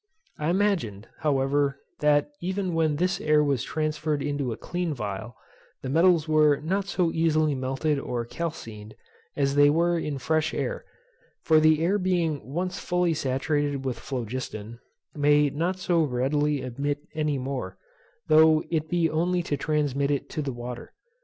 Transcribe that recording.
I imagined, however, that, even when this air was transferred into a clean phial, the metals were not so easily melted or calcined as they were in fresh air; for the air being once fully saturated with phlogiston, may not so readily admit any more, though it be only to transmit it to the water.